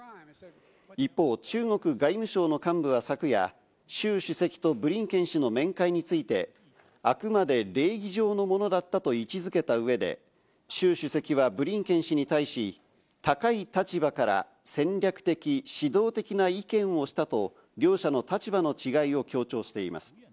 一方、中国外務省の幹部は昨夜、シュウ主席とブリンケン氏の面会についてあくまで礼儀上のものだったと位置付けた上で、シュウ主席はブリンケン氏に対し、高い立場から戦略的、指導的な意見をしたと、両者の立場の違いを強調しています。